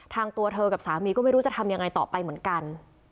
ตัวเธอกับสามีก็ไม่รู้จะทำยังไงต่อไปเหมือนกัน